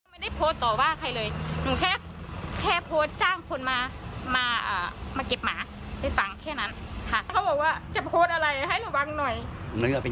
ว่าเออคุณไม่มาเก็บหมาอะไรแบบนี้